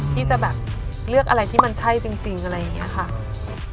ที่จะแบบเลือกอะไรที่มันใช่จริงอะไรอย่างนี้ค่ะ